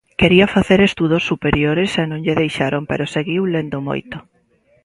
Quería facer estudos superiores e non lle deixaron pero seguiu lendo moito.